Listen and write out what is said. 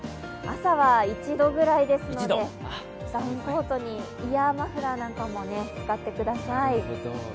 朝は１度ぐらいですのでダウンコートにイヤーマフラーなんかも使ってください。